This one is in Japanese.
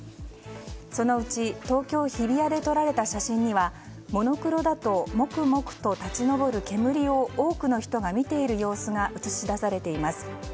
そのうち東京・日比谷で撮られた写真にはモノクロだともくもくと立ち上る煙を多くの人が見ている様子が写し出されています。